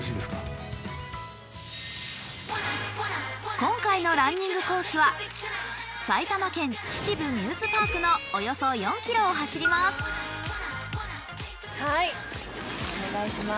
今回のランニングコースは埼玉県秩父ミューズパークのおよそ４ｋｍを走ります。